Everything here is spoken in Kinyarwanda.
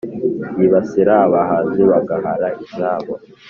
yibasira abahanzi bagahara izabo.